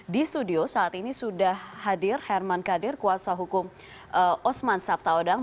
di studio saat ini sudah hadir herman kadir kuasa hukum osman sabtaodang